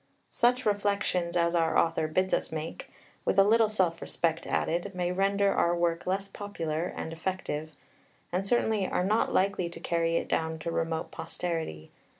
Such reflections as our author bids us make, with a little self respect added, may render our work less popular and effective, and certainly are not likely to carry it down to remote posterity.